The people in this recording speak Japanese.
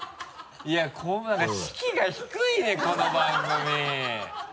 いや士気が低いねこの番組。